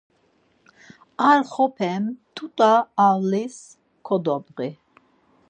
Ar xop̌e mt̆ut̆a avlis kodobği.